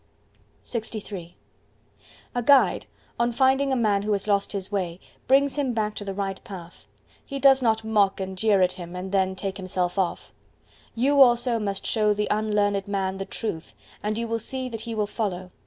LXIII A guide, on finding a man who has lost his way, brings him back to the right path—he does not mock and jeer at him and then take himself off. You also must show the unlearned man the truth, and you will see that he will follow.